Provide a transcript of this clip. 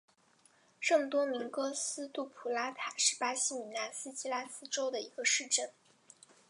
圣多明戈斯杜普拉塔是巴西米纳斯吉拉斯州的一个市镇。